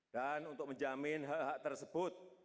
dan untuk menjamin hak hak tersebut